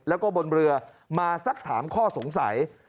แล้วก็บนเรือมาสักถามข้อสงสัย